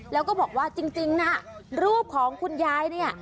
แล้วก็บอกว่าจริงนะรูปของคุณยายเนี่ย